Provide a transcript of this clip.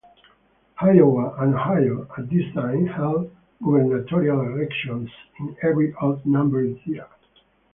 Iowa and Ohio at this time held gubernatorial elections in every odd numbered year.